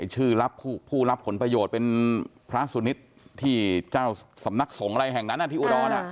ชื่อผู้รับผลประโยชน์เป็นพระสุนิทที่เจ้าสำนักสงฆ์อะไรแห่งนั้นที่อุดร